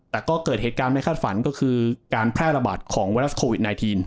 แต่ก็เกิดเหตุการณ์ไม่คาดฝันก็คือการแพร่ระบาดของไวรัสโควิด๑๙